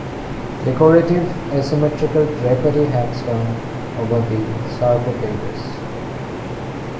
Decorative, asymmetrical drapery hangs down over the sarcophagus.